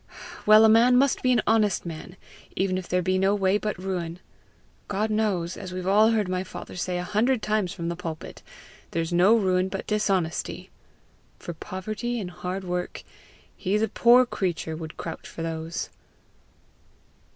Well, a man must be an honest man, even if there be no way but ruin! God knows, as we've all heard my father say a hundred times from the pulpit, there's no ruin but dishonesty! For poverty and hard work, he's a poor creature would crouch for those!"